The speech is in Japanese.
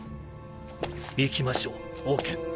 行きましょうオウケン。